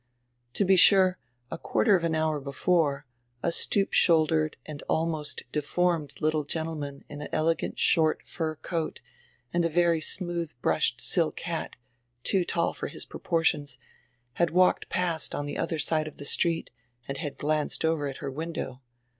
To he sure, a quarter of an hour before, a stoop shouldered and almost deformed litde gendeman in an elegant short fur coat and a very smoodi brushed silk hat, too tall for his proportions, had walked past on die odier side of die street and had glanced over at her window.